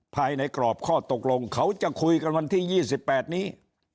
ภายในกรอบข้อตกลงเขาจะคุยกันวันที่๒๘นี้